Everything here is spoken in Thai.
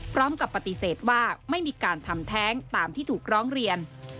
พร้อมกับปฏิเสธว่าไม่มีการทำแท้งตามที่ถูกร้องเรียน